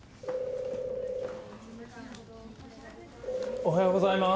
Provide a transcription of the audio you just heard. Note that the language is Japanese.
おはようございます。